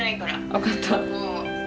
分かった。